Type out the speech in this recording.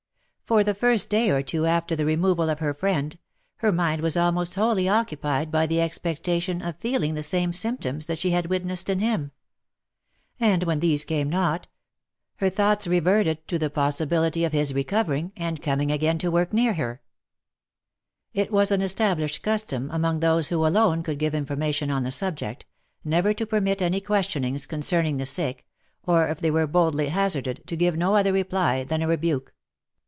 For the first day or two after the removal of her friend, her mind was almost wholly occupied by the expectation of feeling the same symp toms that she had witnessed in him ; and when these came not, her thoughts reverted to the possibility of his recovering and coming again to work near her. OF MICHAEL ARMSTRONG, 219 It was an established custom among those who alone could give infor mation on the subject, never to permit any questionings concerning the sick, or if they were boldly hazarded, to give no other reply than a re buke.